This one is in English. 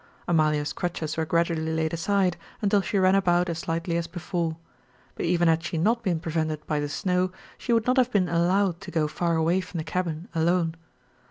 Amalia's crutches were gradually laid aside, until she ran about as lightly as before, but even had she not been prevented by the snow she would not have been allowed to go far away from the cabin alone.